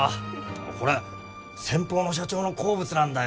これ先方の社長の好物なんだよ。